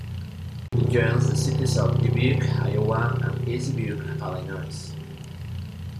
It joins the cities of Dubuque, Iowa, and East Dubuque, Illinois.